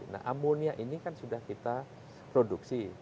nah amonia ini kan sudah kita produksi